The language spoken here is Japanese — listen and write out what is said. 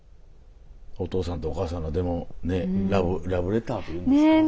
お父さんとお母さんのでもねラブレターというんですかね。